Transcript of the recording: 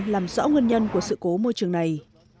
làm rõ nguyên nhân của sự cố môi trường này